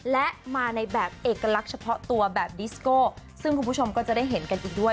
และมาในแบบเอกลักษณ์เฉพาะตัวแบบดิสโก้ซึ่งคุณผู้ชมก็จะได้เห็นกันอีกด้วย